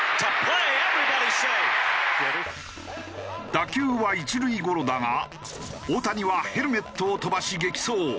打球は一塁ゴロだが大谷はヘルメットを飛ばし激走。